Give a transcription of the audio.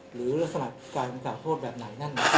หรือลักษณะการกล่าวโทษแบบไหนนั่น